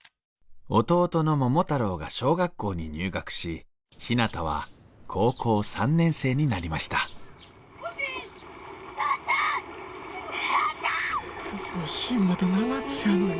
弟の桃太郎が小学校に入学しひなたは高校３年生になりました「おしん！」。